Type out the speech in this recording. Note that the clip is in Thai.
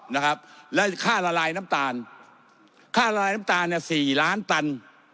และค่าระลายน้ำตาลค่าระลายน้ำตาลเนี่ย๔ล้านตัน